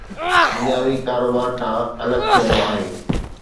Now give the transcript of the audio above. دنياوي ڪاروبار کان الڳ ٿيڻو آهي